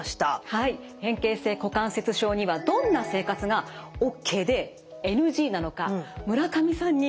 はい変形性股関節症にはどんな生活がＯＫでＮＧなのか村上さんに。